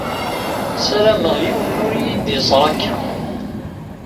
Sarameɣ yiwen ur yi-d-iẓaṛ akka.